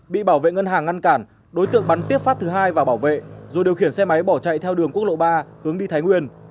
bị bảo vệ ngân hàng ngăn cản đối tượng bắn tiếp phát thứ hai và bảo vệ rồi điều khiển xe máy bỏ chạy theo đường quốc lộ ba hướng đi thái nguyên